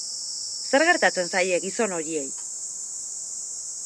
Zer gertatzen zaie gizon horiei?